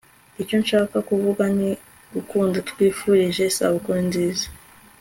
icyo nshaka kuvuga ni - ndagukunda. twifurije isabukuru nziza